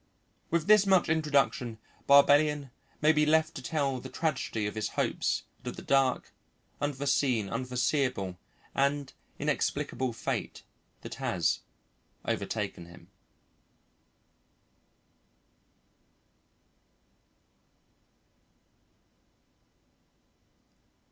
With this much introduction Barbellion may be left to tell the tragedy of his hopes and of the dark, unforeseen, unforeseeable, and inexplicable fate that has overtaken him.